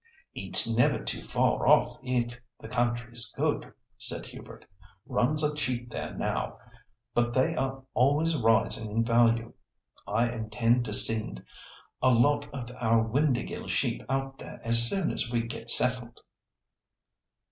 "It's never too far off if the country's good," said Hubert. "Runs are cheap there now, but they are always rising in value. I intend to send a lot of our Windāhgil sheep out there as soon as we get settled."